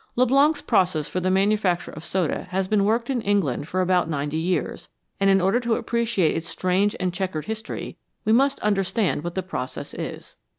Leblanc's process for the manufacture of soda has been worked in England for about ninety years, and in order to appreciate its strange and chequered history, we must understand what the process is.